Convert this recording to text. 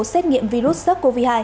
xét nghiệm virus sars cov hai